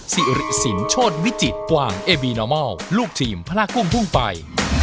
สิริสินโชธวิจิตกวางเอบีนามอลลูกทีมพลากุ้งพุ่งไป